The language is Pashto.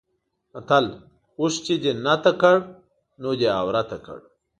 متل: اوښ چې دې نته کړ؛ نو دی عورته کړ.